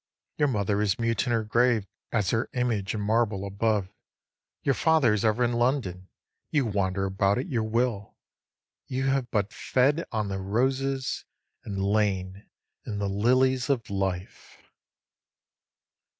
Your mother is mute in her grave as her image in marble above; Your father is ever in London, you wander about at your will; You have but fed on the roses, and lain in the lilies of life.